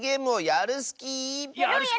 やるスキー！